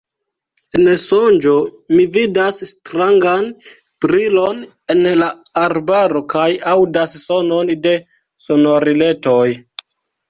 En sonĝo mi vidas strangan brilon en la arbaro kaj aŭdas sonon de sonoriletoj.